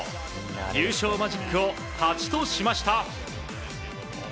優勝マジックを８としました。